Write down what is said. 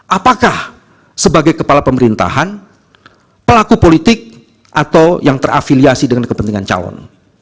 apakah sebagai kepala pemerintahan pelaku politik atau yang terafiliasi dengan kepentingan calon